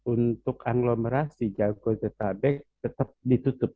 untuk agglomerasi jakarta tetap ditutup